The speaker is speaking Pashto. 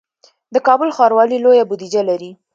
د کابل ښاروالي لویه بودیجه لري